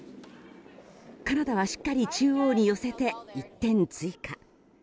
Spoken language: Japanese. カナダは、しっかり中央へ乗せて１点追加。